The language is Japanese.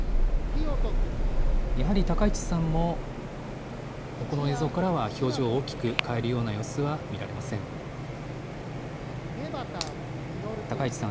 やはり高市さんも、ここの映像からは表情を大きく変えるような様子は見られません。